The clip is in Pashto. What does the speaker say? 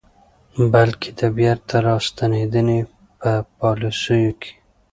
بلکې د بیرته راستنېدنې په پالیسیو کې